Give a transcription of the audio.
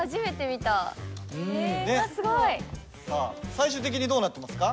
最終的にどうなってますか？